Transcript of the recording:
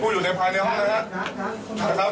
ผู้อยู่ภายในห้องนี้นะฮะ